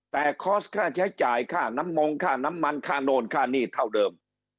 แต่คอร์สค่าใช้จ่ายค่าน้ำมงค่าน้ำมันค่าโน่นค่าหนี้เท่าเดิม